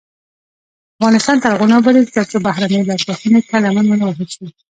افغانستان تر هغو نه ابادیږي، ترڅو بهرنۍ لاسوهنې ته لمن ونه وهل شي.